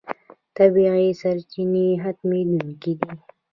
طبیعي سرچینې ختمېدونکې دي.